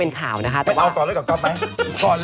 จากอักริศ